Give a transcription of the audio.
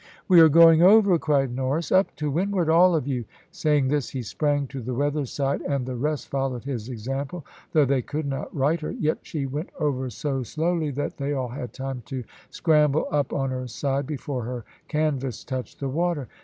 "We are going over," cried Norris. "Up to windward all of you." Saying this he sprang to the weather side, and the rest followed his example: though they could not right her, yet she went over so slowly that they all had time to scramble up on her side before her canvas touched the water.